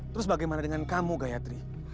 terus bagaimana dengan kamu gayatri